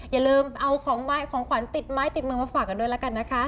อย่าลืมเอาของไม้ของขวัญติดไม้ติดมือมาฝากกันด้วยแล้วกันนะคะ